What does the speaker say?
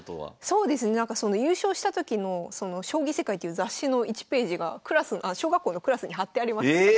そうですねその優勝した時の「将棋世界」っていう雑誌の１ページが小学校のクラスに貼ってありました。